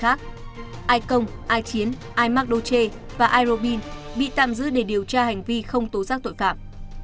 ai công ai chiến ai mắc đô chê và ai robin bị tạm giữ để điều tra hành vi không tố giác tội phạm